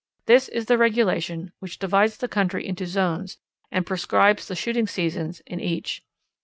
This is the regulation which divides the country into zones and prescribes the shooting seasons in each.